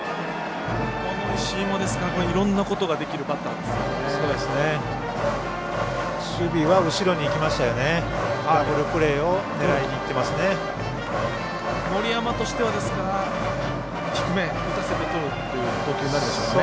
この石井もいろんなことができるバッターですからね。